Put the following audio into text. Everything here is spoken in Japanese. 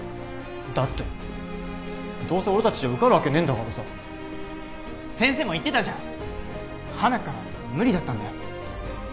だってどうせ俺達じゃ受かるわけねえんだからさ先生も言ってたじゃんはなっから無理だったんだよ